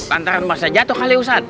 tantangan masnya jatuh kali ya ustadz